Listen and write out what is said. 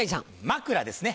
枕ですね。